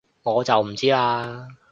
我就唔知喇